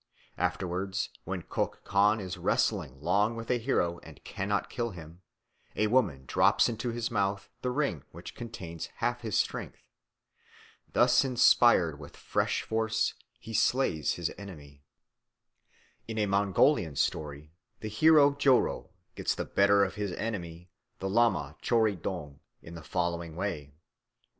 Afterwards when Kök Chan is wrestling long with a hero and cannot kill him, a woman drops into his mouth the ring which contains half his strength. Thus inspired with fresh force he slays his enemy. In a Mongolian story the hero Joro gets the better of his enemy the lama Tschoridong in the following way.